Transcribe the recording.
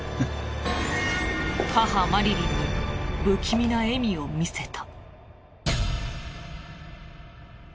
母マリリンに不気味な笑みを見せた。